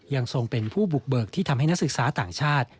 ทรงเป็นผู้บุกเบิกที่ทำให้นักศึกษาต่างชาติ